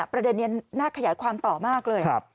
ประเด็นนี้น่าขยายความต่อมากเลย